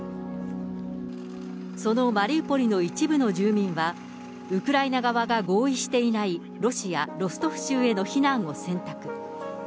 そのマリウポリの一部の住民は、ウクライナ側が合意していないロシア・ロストフ州への避難を選択。